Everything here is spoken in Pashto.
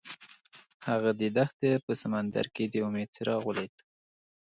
هغه د دښته په سمندر کې د امید څراغ ولید.